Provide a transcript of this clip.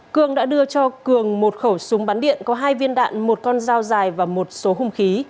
cương đã đưa cho cường một khẩu súng bắn điện có hai viên đạn một con dao dài và một số hung khí